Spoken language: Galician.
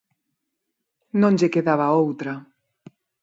Non lle quedaba outra.